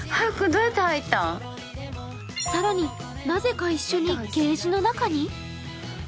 更に、なぜか一緒にケージの中に！？